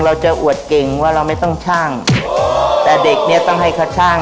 เราจะอวดเก่งว่าเราไม่ต้องช่างแต่เด็กเนี้ยต้องให้เขาช่าง